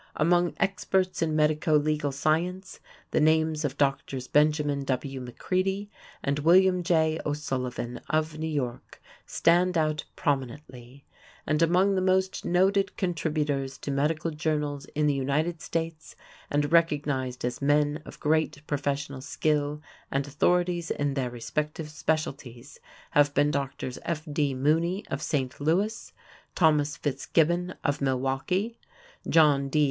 Among experts in medico legal science, the names of Drs. Benjamin W. McCreedy and William J. O'Sullivan of New York stand out prominently, and among the most noted contributors to medical journals in the United States, and recognized as men of great professional skill and authorities in their respective specialties, have been Drs. F.D. Mooney of St. Louis; Thomas Fitzgibbon of Milwaukee; John D.